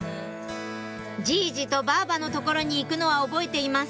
じいじとばあばの所に行くのは覚えています